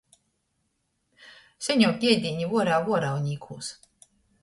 Seņuok iedīni vuoreja vuoraunīkūs.